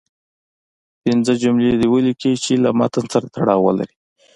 پنځه جملې دې ولیکئ چې له متن سره تړاو ولري.